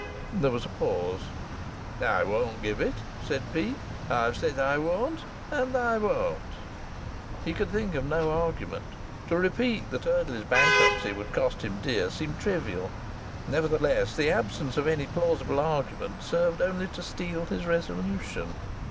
There was a pause. "I won't give it," said Peake. "I've said I won't, and I won't." He could think of no argument. To repeat that Eardley's bankruptcy would cost him dear seemed trivial. Nevertheless, the absence of any plausible argument served only to steel his resolution.